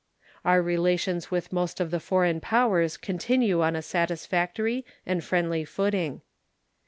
Our relations with most of the foreign powers continue on a satisfactory and friendly footing.